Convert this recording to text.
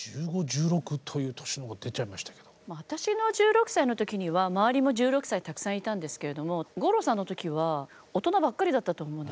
私の１６歳の時には周りも１６歳たくさんいたんですけれども五郎さんの時は大人ばっかりだったと思うんですよ。